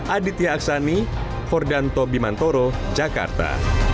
aditya aksani fordanto bimantoro jakarta